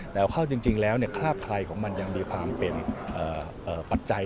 แต่เอาเข้าจริงแล้วคราบใครของมันยังมีความเป็นปัจจัย